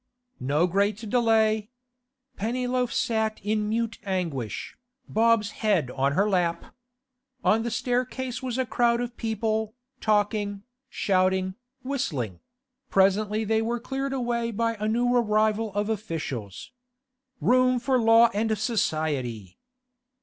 No great delay. Pennyloaf sat in mute anguish, Bob's head on her lap. On the staircase was a crowd of people, talking, shouting, whistling; presently they were cleared away by a new arrival of officials. Room for Law and Society!